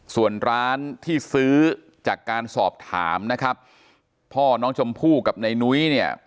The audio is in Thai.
ส่วนร้านที่ซื้อจากการสอบถามนะครับพ่อน้องชมพู่กับในนุ้ยเนี่ย